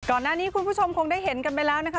ก่อนหน้านี้คุณผู้ชมคงได้เห็นกันไปแล้วนะคะ